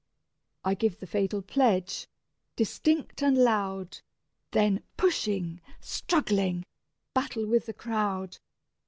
I give the fatal pledge, distinct and loud, Then pushing, struggling, battle with the crowd.